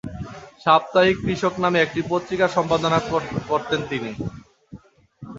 সাপ্তাহিক কৃষক নামে একটি পত্রিকা সম্পাদনা করতেন তিনি।